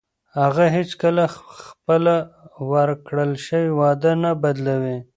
هغه هیڅکله خپله ورکړل شوې وعده نه بدلوي.